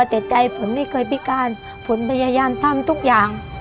แต่ใจฝนไม่เคยพิการฝนพยายามทำทุกอย่าง